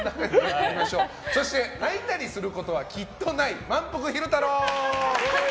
そして、泣いたりすることはきっとない、まんぷく昼太郎。